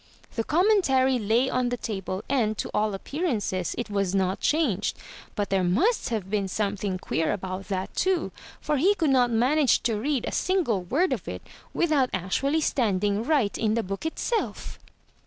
The Commentary lay on the table and, to all appearances, it was not changed; but there must have been something queer about that too, for he could not manage to read a single word of it without actually standing right in the book itself.